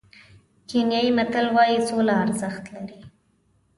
کینیايي متل وایي سوله ارزښت لري.